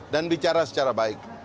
dan bicara secara baik